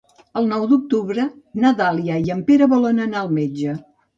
El nou d'octubre na Dàlia i en Pere volen anar al metge.